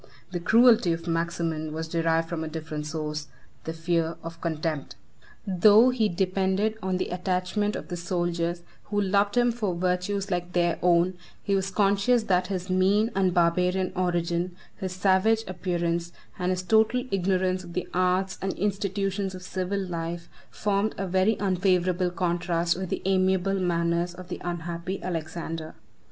The cruelty of Maximin was derived from a different source, the fear of contempt. Though he depended on the attachment of the soldiers, who loved him for virtues like their own, he was conscious that his mean and barbarian origin, his savage appearance, and his total ignorance of the arts and institutions of civil life, 8 formed a very unfavorable contrast with the amiable manners of the unhappy Alexander.